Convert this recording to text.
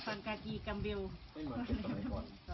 จะเช็ดไข่ทำความสามารถ